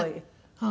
はい。